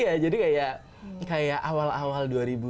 iya jadi kayak kayak awal awal dulu